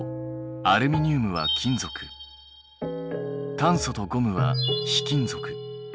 炭素とゴムは非金属。